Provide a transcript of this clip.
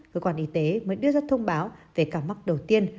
cơ quan y tế mới đưa ra thông báo về cả markskeen đầu tiên